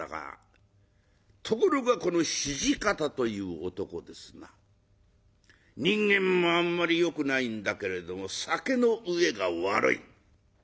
ところがこの土方という男ですな人間もあんまりよくないんだけれども酒のうえが悪い。